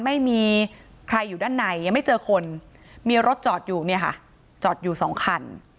ไม่มีใครอยู่ด้านในยังไม่เจอคนมีรถจอดอยู่เนี่ยค่ะจอดอยู่สองคัน